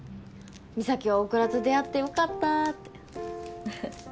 美咲は大倉と出逢ってよかったって。